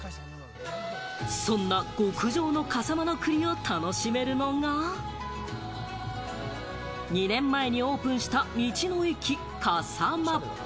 そんな極上の笠間の栗を楽しめるのが２年前にオープンした道の駅かさま。